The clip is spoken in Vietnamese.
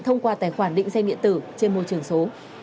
thông qua tài khoản định xe điện tử trên môi trường số